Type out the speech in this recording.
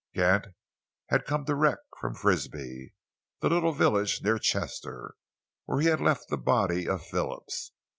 Gant had come direct from Frisby, the little village near Chester where he had left the body of Phillips.